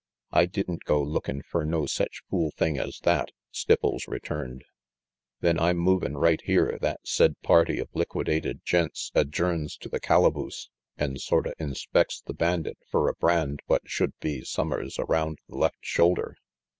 "I didn't go lookin' fer no sech fool thing as that," Stipples returned. "Then I'm movin' right here that said party of liquidated gents adjourns to the calaboose an' sorta RANGY PETE 191 inspects the bandit fer a brand what should be summers around the left shoulder.